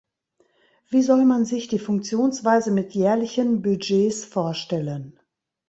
Wie soll man sich die Funktionsweise mit jährlichen Budgets vorstellen?